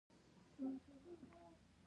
کوتره په ګروپ ژوند خوښوي.